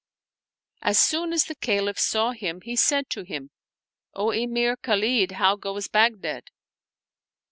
As soon as the Caliph saw him he said to him, " O Emir Khalid, how goes Baghdad?"